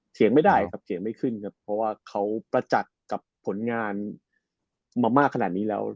ไม่ได้ครับเถียงไม่ขึ้นครับเพราะว่าเขาประจักษ์กับผลงานมามากขนาดนี้แล้ว